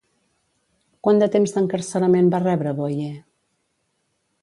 Quant de temps d'encarcerament va rebre Boye?